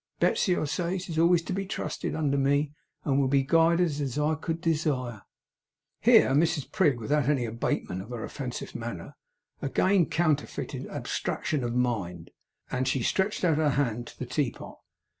Betsey," I says, "is always to be trusted under me, and will be guided as I could desire."' Here Mrs Prig, without any abatement of her offensive manner again counterfeited abstraction of mind, and stretched out her hand to the teapot.